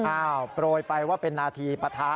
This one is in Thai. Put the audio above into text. อ้าวปล่อยไปว่าเป็นนาทีปะทะ